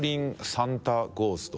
サンタゴースト。